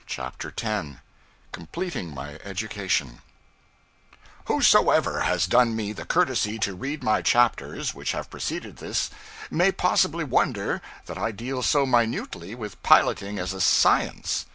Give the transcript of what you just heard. CHAPTER 10 Completing My Education WHOSOEVER has done me the courtesy to read my chapters which have preceded this may possibly wonder that I deal so minutely with piloting as a science.